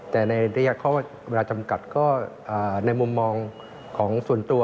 แต่ในระยะข้อเวลาจำกัดก็ในมุมมองของส่วนตัว